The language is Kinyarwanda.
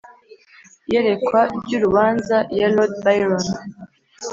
"iyerekwa ry'urubanza" ya lord byron